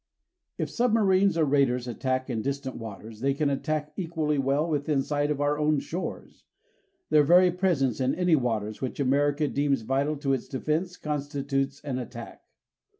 If submarines or raiders attack in distant waters, they can attack equally well within sight of our own shores. Their very presence in any waters which America deems vital to its defense constitutes an attack.